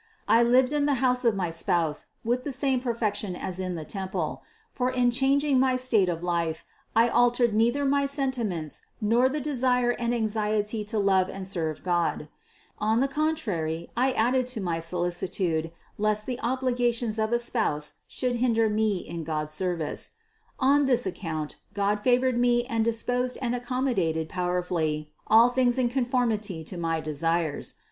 I lived in the house of my spouse with the same perfec tion as in the temple; for in changing my state of life I altered neither my sentiments nor the desire and anxiety to love and serve God; on the contrary I added to my solicitude lest the obligations of a spouse should hinder me in God's service. On this account God favored me and disposed and accommodated powerfully all things in conformity to my desires.